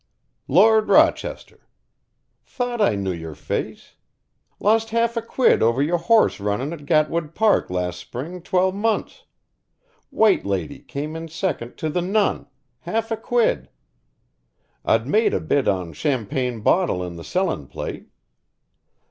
"Lord Rochester. Thought I knew your face. Lost half a quid over your horse runnin' at Gatwood Park last Spring twel' months. 'White Lady' came in second to 'The Nun,' half a quid. I'd made a bit on 'Champane Bottle' in the sellin' plate.